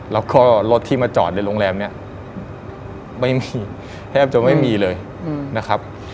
แล้วก็รถที่มาจอดในโรงแรมเนี่ยไม่มีแทบจะไม่มีเลยนะครับ